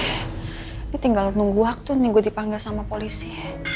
tapi tinggal nunggu waktu nih gue dipanggil sama polisi